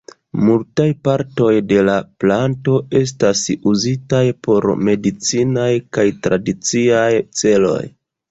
Multaj partoj de la planto estas uzitaj por medicinaj kaj tradiciaj celoj.